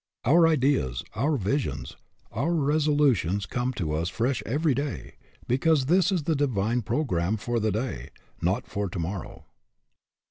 Our ideas, our visions, our resolutions come to us fresh every day, because this is the divine programme for the day, not for to morrow.